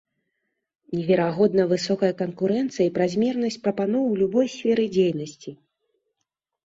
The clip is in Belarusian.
Неверагодна высокая канкурэнцыя і празмернасць прапаноў у любой сферы дзейнасці.